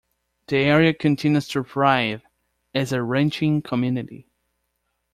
The area continues to thrive as a ranching community.